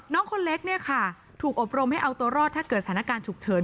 คนเล็กเนี่ยค่ะถูกอบรมให้เอาตัวรอดถ้าเกิดสถานการณ์ฉุกเฉิน